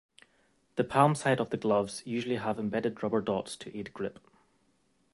The palm-side of the gloves usually have embedded rubber dots to aid grip.